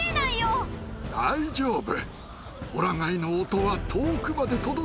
大丈夫。